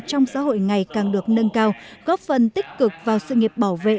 trong xã hội ngày càng được nâng cao góp phần tích cực vào sự nghiệp bảo vệ